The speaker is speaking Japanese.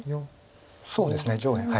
そうですね上辺。